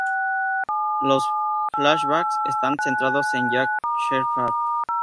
Los "flashbacks" están centrados en Jack Shephard.